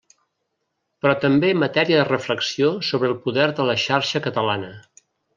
Però també matèria de reflexió sobre el poder de la xarxa catalana.